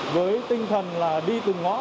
với tinh thần là đi từng ngõ